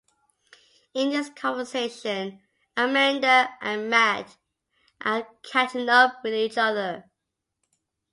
In this conversation, Amanda and Matt are catching up with each other.